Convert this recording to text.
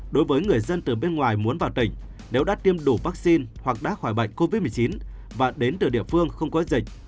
đối với người dân từ bên ngoài muốn vào tỉnh nếu đã tiêm đủ vaccine hoặc đã khỏi bệnh covid một mươi chín và đến từ địa phương không có dịch